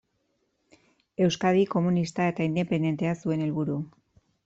Euskadi komunista eta independentea zuen helburu.